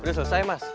udah selesai mas